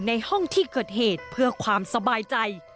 ในห้องที่เกิดเหตุเพื่อความสบายใจ